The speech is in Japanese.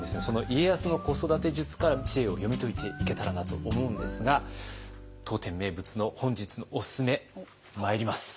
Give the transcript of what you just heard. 家康の子育て術から知恵を読み解いていけたらなと思うんですが当店名物の本日のおすすめまいります。